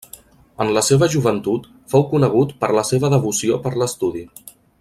En la seva joventut, fou conegut per la seva devoció per l'estudi.